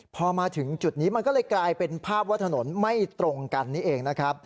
พอมาถึงจุดนี้มันก็เลยกลายเป็นภาพว่าถนนไม่ตรงกันนี่เองนะครับ